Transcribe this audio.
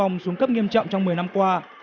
xuống cấp nghiêm trọng trong một mươi năm qua